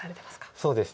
そうですね